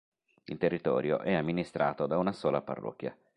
Il territorio è amministrato da una sola parrocchia.